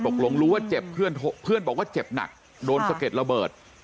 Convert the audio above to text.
หลงรู้ว่าเจ็บเพื่อนบอกว่าเจ็บหนักโดนสะเก็ดระเบิด